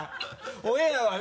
オンエアはね